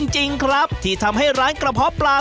จริงครับที่ทำให้ร้านกระเพาะปลา